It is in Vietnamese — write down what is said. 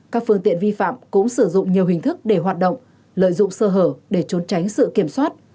các phương tiện vi phạm cũng sử dụng nhiều hình thức để hoạt động lợi dụng sơ hở để trốn tránh sự kiểm soát